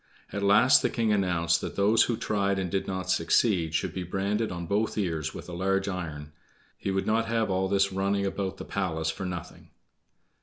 At last the king announced that those who tried and did not succeed should be branded on both ears with a large iron; he would not have all this running about the palace for nothing.